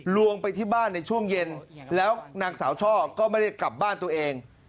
วงไปที่บ้านในช่วงเย็นแล้วนางสาวช่อก็ไม่ได้กลับบ้านตัวเอง